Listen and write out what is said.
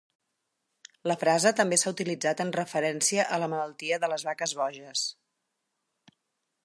La frase també s'ha utilitzat en referència a la malaltia de les vaques boges.